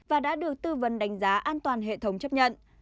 và đã được tư vấn đánh giá an toàn hệ thống chấp nhận